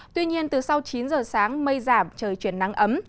tuy nhiên từ sau chín giờ sáng mây giảm trời chuyển nắng ấm